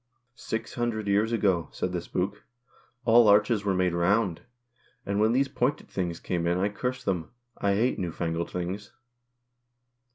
" Six hundred years ago," said the spook, "all arches were made round, and when these pointed things came in I cursed them. I hate new fangled things."